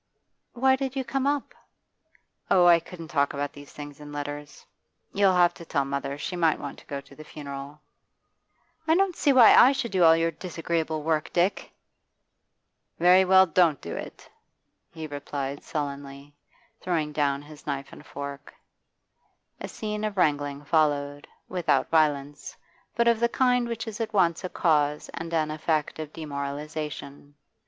'Why did you come up?' 'Oh, I couldn't talk about these things in letters. You'll have to tell mother; she might want to go to the funeral.' 'I don't see why I should do all your disagreeable work, Dick!' 'Very well, don't do it,' he replied sullenly, throwing down his knife and fork. A scene of wrangling followed, without violence, but of the kind which is at once a cause and an effect of demoralisation.